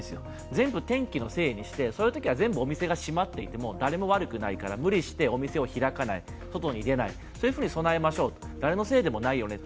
全部天気のせいにしてそういうときは全部お店が閉まっていても、誰も悪くないから無理してお店を開かない外に出ないそういうふうに備えましょう、誰のせいでもないよねと。